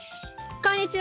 こんにちは。